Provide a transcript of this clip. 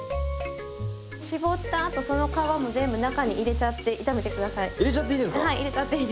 搾った後その皮も全部中に入れちゃって炒めて下さい。